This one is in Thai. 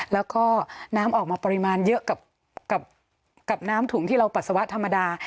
แล้วก็น้ำออกมาปริมาณเยอะกับน้ำถุงที่เราปัสสาวะธรรมดา